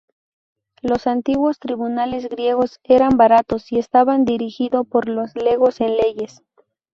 Los antiguos tribunales griegos eran baratos y estaban dirigido por legos en leyes.